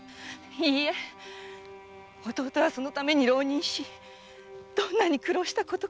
いいえ弟はそのために浪人しどんなに苦労したことか。